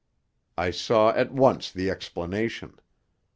I saw at once the explanation.